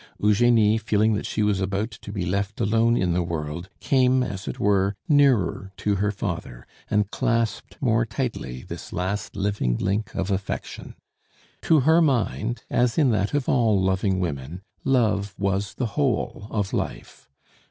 Eugenie, feeling that she was about to be left alone in the world, came, as it were, nearer to her father, and clasped more tightly this last living link of affection. To her mind, as in that of all loving women, love was the whole of life.